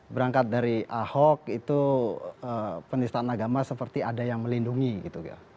berangkat dari ahok itu penistaan agama seperti ada yang melindungi gitu